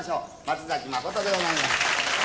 松崎真でございます。